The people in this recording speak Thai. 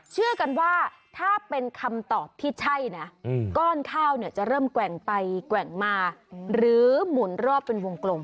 เชื่อกันว่าถ้าเป็นคำตอบที่ใช่นะก้อนข้าวเนี่ยจะเริ่มแกว่งไปแกว่งมาหรือหมุนรอบเป็นวงกลม